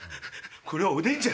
これおでんじゃん！